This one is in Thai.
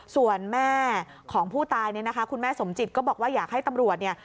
ส่วนแม่ของผู้ตายเนี่ยนะคะคุณแม่สมจิตก็บอกว่าอยากให้ตำรวจเนี่ย